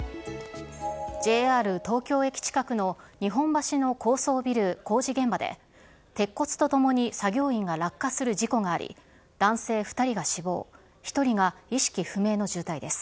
ＪＲ東京駅近くの日本橋の高層ビル工事現場で、鉄骨とともに作業員が落下する事故があり、男性２人が死亡、１人が意識不明の重体です。